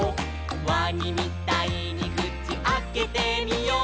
「わにみたいにくちあけてみよう」